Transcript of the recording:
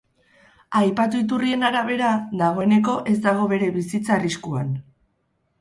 Aipatu iturrien arabera, dagoeneko ez dago bere bizitza arriskuan.